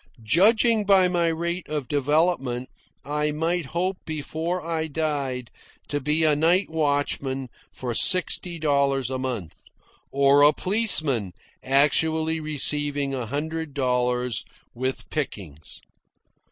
Judging by my rate of development, I might hope before I died to be a night watchman for sixty dollars a month, or a policeman actually receiving a hundred dollars with pickings.